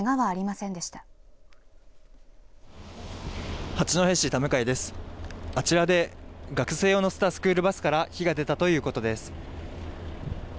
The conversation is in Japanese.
あちらで学生を乗せたスクールバスから火が出たということです。